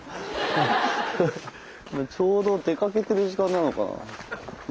ちょうど出かけてる時間なのかな。